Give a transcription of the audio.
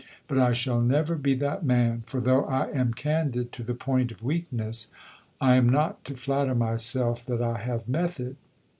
But I shall never be that man, for though I am candid to the point of weakness, I am not to flatter myself that I have method.